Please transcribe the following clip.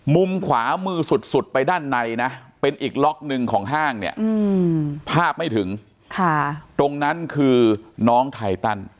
มุมขวามือสุดไปด้านในนะเป็นอีกล็อกหนึ่งของห้างเนี่ยภาพไม่ถึงตรงนั้นคือน้องไทตัน